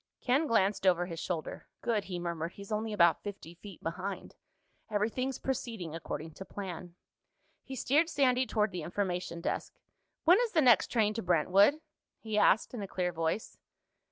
Ken glanced over his shoulder. "Good," he murmured. "He's only about fifty feet behind. Everything's proceeding according to plan." He steered Sandy toward the Information Desk. "When is the next train to Brentwood?" he asked in a clear voice.